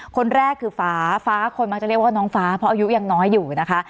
คนแรกคือฟ้าฟ้าคนมักจะเรียกว่าน้องฟ้าเพราะอายุยังน้อยอยู่นะคะ